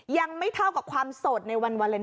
ยังไม่เท่ากับความโสดในวันวาเลนไทย